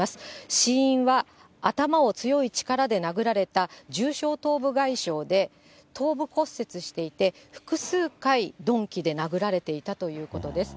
死因は頭を強い力で殴られた重症頭部外傷で、頭部骨折していて、複数回鈍器で殴られていたということです。